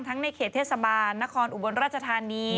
ในเขตเทศบาลนครอุบลราชธานี